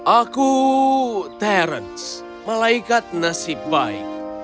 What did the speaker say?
aku terence malaikat nasib baik